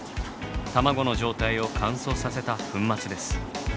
卵の状態を乾燥させた粉末です。